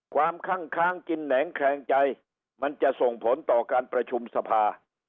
คั่งค้างกินแหนงแคลงใจมันจะส่งผลต่อการประชุมสภา